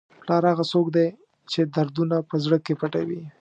پلار هغه څوک دی چې دردونه په زړه کې پټوي.